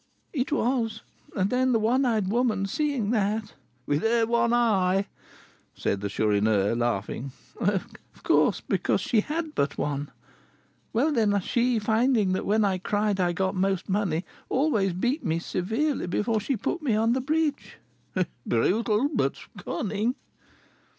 "It was. And then the one eyed woman seeing that " "With her one eye?" said the Chourineur, laughing. "Of course, because she had but one. Well, then, she finding that when I cried I got most money, always beat me severely before she put me on the bridge." "Brutal, but cunning."